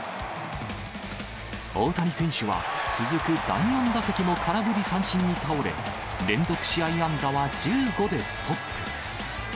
大谷選手は、続く第４打席も空振り三振に倒れ、連続試合安打は１５でストップ。